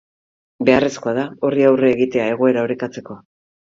Beharrezkoa da horri aurre egitea egoera orekatzeko.